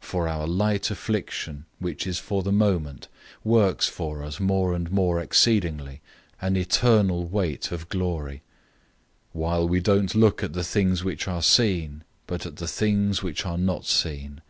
004:017 For our light affliction, which is for the moment, works for us more and more exceedingly an eternal weight of glory; 004:018 while we don't look at the things which are seen, but at the things which are not seen.